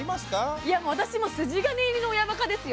いや私もう筋金入りの親バカですよ。